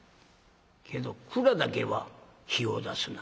けど蔵だけは火を出すな。